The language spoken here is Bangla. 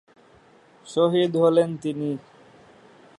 শহীদ হলেন তিনি।